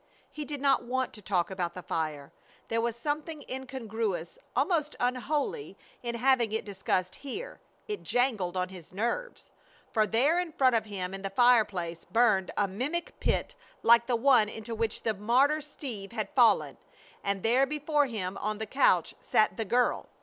He did not want to talk about the fire. There was something incongruous, almost unholy, in having it discussed here. It jangled on his nerves. For there in front of him in the fireplace burned a mimic pit like the one into which the martyr Steve had fallen; and there before him on the couch sat the girl!